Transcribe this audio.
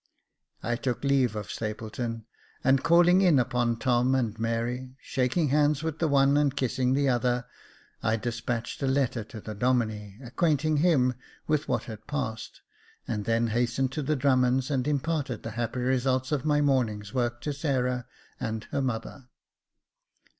I took leave of Stapleton, and calling in upon Tom and Mary, shaking hands with the one, and kissing the other, I despatched a letter to the Domine, acquainting him with what had passed, and then hastened to the Drummonds and imparted the happy results of my morning's work to Sarah and her mother.